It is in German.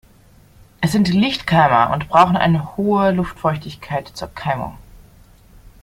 Es sind Lichtkeimer und brauchen eine hohe Luftfeuchtigkeit zur Keimung.